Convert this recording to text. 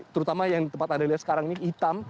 terutama yang tempat anda lihat sekarang ini hitam